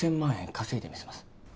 稼いでみせます。